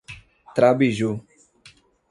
Trabiju